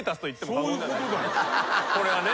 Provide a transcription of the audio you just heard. これはね。